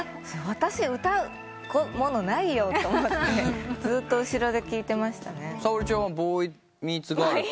私歌うものないよと思ってずっと後ろで聴いてましたね。